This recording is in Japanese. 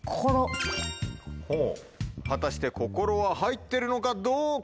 果たして『こころ』は入ってるのかどうか？